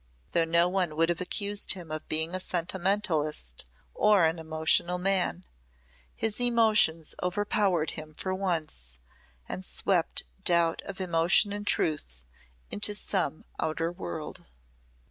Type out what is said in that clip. Though no one would have accused him of being a sentimentalist or an emotional man, his emotions overpowered him for once and swept doubt of emotion and truth into some outer world.